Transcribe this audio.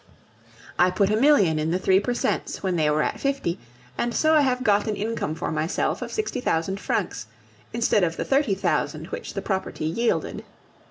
I put a million in the Three per Cents when they were at fifty, and so I have got an income for myself of sixty thousand francs, instead of the thirty thousand which the property yielded.